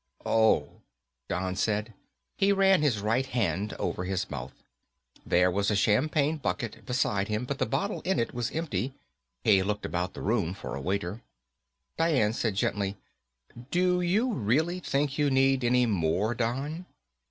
"Oh," Don said. He ran his right hand over his mouth. There was a champagne bucket beside him, but the bottle in it was empty. He looked about the room for a waiter. Dian said gently, "Do you really think you need any more, Don?"